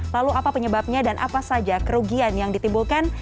lalu apa penyebabnya dan apa saja kerugian yang ditimbulkan